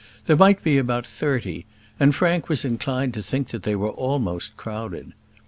There might be about thirty, and Frank was inclined to think that they were almost crowded.